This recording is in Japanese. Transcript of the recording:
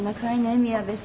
宮部さん。